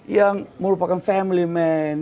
yang merupakan family man